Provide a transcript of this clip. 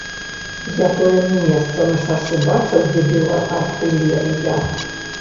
Я тое месца на шашы бачыў, дзе біла артылерыя.